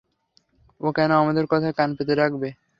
ও কেন আমাদের কথায় কান পেতে রাখবে?